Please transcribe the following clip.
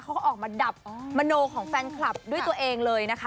เขาก็ออกมาดับมโนของแฟนคลับด้วยตัวเองเลยนะคะ